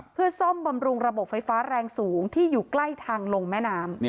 เพื่อซ่อมบำรุงระบบไฟฟ้าแรงสูงที่อยู่ใกล้ทางลงแม่น้ำ